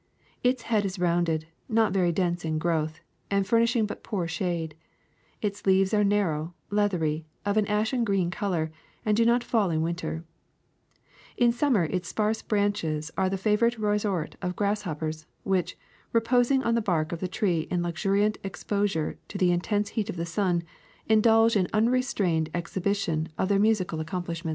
Its head is rounded, not very ^^^.^^ f ^^y^ ^^,.^,''"^ 1, Branch with fruit. 2, Branch with dense in growth, and fur ^°^'"^""'^^°^'" nishing but poor shade ; its leaves are narrow, leath ery, of an ashen green color, and do not fall in win ter. In summer its sparse branches are the favor ite resort of grasshoppers, which, reposing on the bark of the tree in luxurious exposure to the intense heat of the sun, indulge in unrestrained exhibition of their musical accomplishments.